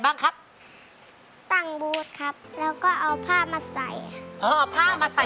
กินกับดักหักคนเดียวออกมาได้